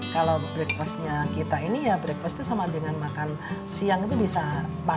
kalau breakfastnya kita ini ya breakfastnya sama dengan makan siang itu bisa